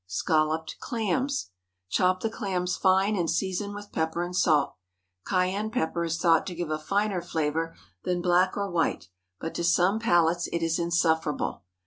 SCALLOPED CLAMS. Chop the clams fine, and season with pepper and salt. Cayenne pepper is thought to give a finer flavor than black or white; but to some palates it is insufferable.